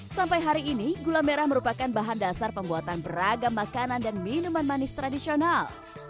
sampai hari ini gula merah merupakan bahan dasar pembuatan beragam makanan dan minuman manis tradisional